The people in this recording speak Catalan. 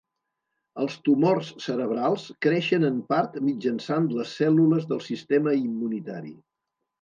Els tumors cerebrals creixen en part mitjançant les cèl·lules del sistema immunitari